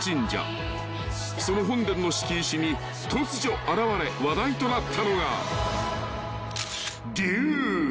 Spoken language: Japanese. ［その本殿の敷石に突如現れ話題となったのが竜］